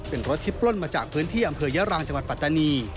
เป็นรถที่ปล้นมาจากพื้นที่อำเภอยะรังจังหวัดปัตตานี